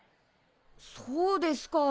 そうですか。